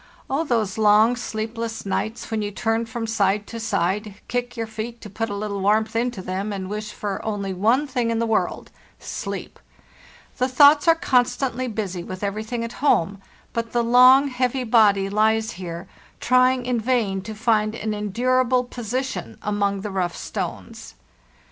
Oh, those long sleepless nights when you turn from side to side, kick your feet to put a little warmth into them, and wish for only one thing in the world—sleep! The thoughts are constantly busy with everything at home, but the long, heavy body lies here trying in vain to find an endur able position among the rough stones.